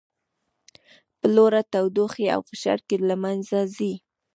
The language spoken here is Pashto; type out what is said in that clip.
په لوړه تودوخې او فشار کې له منځه ځي.